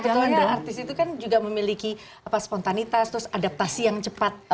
kecuali artis itu kan juga memiliki spontanitas terus adaptasi yang cepat